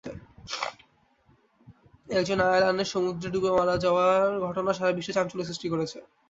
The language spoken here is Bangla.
একজন আয়লানের সমুদ্রে ডুবে মারা যাওয়ার ঘটনা সারা বিশ্বে চাঞ্চল্য সৃষ্টি করেছে।